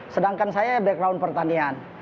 sedangkan saya background pertanian